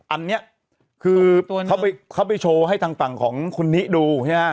อันนี้คือเขาไปเขาไปโชว์ให้ต่างต่างของคุณนิดูเนี่ย